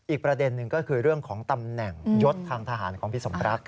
อีกประเด็นหนึ่งก็คือเรื่องของตำแหน่งยศทางทหารของพี่สมรัก